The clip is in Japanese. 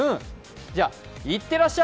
じゃ、いってらっしゃい！